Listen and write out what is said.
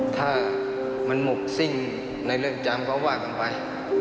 ถ้ามันหมดสิ้นในเรื่องจำเขาว่ากันไป